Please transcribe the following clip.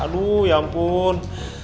aduh ya ampun